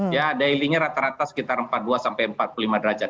ya daily nya rata rata sekitar empat puluh dua sampai empat puluh lima derajat